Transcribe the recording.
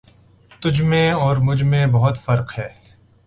تجھ میں اور مجھ میں بہت فرق ہے